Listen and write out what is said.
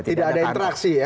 tidak ada interaksi ya